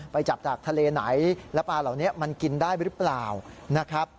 ไปจับจากทะเลไหนแล้วปลาเหล่านี้มันกินได้หรือเปล่านะครับ